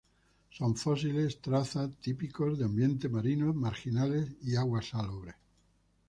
Son fósiles traza típicos de ambientes marinos marginales y aguas salobres.